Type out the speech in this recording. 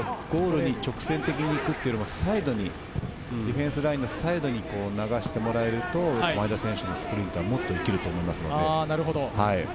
前田選手の場合、ゴールに直線的に行くよりもディフェンスラインのサイドに流してもらえると前田選手のスプリントが生きると思います。